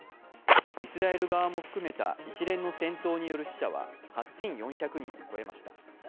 イスラエル側も含めた一連の戦闘による死者は８４００人を超えました。